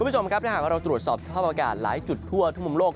จะหากเราตรวจสอบสภาพประกาศหลายจุดทั่วทุ่มมือโลก